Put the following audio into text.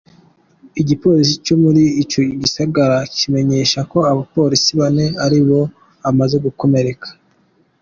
Igipolisi co muri ico gisagara kimenyesha ko abapolisi bane ari bob amaze gukomereka.